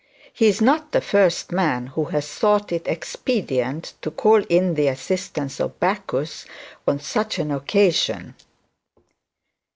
He is not the first man who has thought it expedient to call in the assistance of Bacchus on such an occasion.